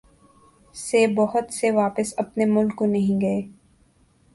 سے بہت سے واپس اپنے ملک کو نہیں گئے۔